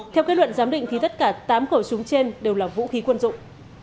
theo kết luận giám định thì tất cả tám khẩu súng trên đều là vũ khí quân dụng